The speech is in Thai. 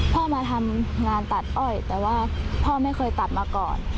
พ่อมาทำงานตัดอ้อยแต่ว่าพ่อไม่เคยตัดมาก่อน